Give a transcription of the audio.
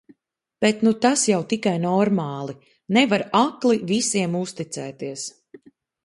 Bet nu tas jau tikai normāli, nevar akli visiem uzticēties.